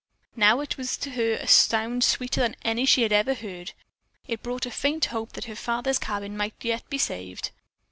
Now it was to her a sound sweeter than any she had ever heard. It brought a faint hope that her father's cabin might yet be saved.